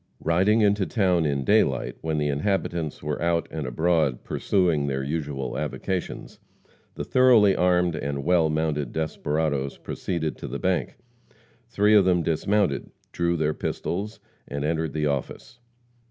Riding into town in daylight, when the inhabitants were out and abroad pursuing their usual avocations, the thoroughly armed and well mounted desperadoes proceeded to the bank. Three of them dismounted, drew their pistols, and entered the office.